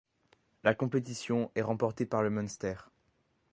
La compétition est remportée par le Munster.